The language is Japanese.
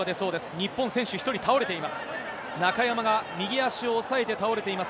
日本、選手１人倒れています。